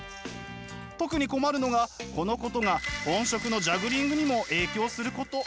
特に困るのがこのことが本職のジャグリングにも影響すること。